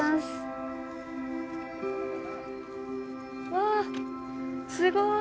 わすごい。